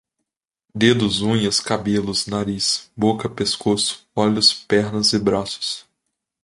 Dedos, unhas, cabelos, nariz, boca, pescoço, olhos, pernas e braços